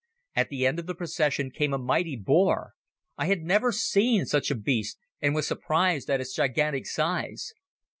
At the end of the procession came a mighty boar. I had never yet seen such a beast and was surprised at its gigantic size.